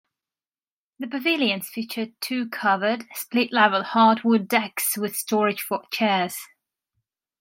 The pavilions feature two covered, split-level, hardwood decks with storage for chairs.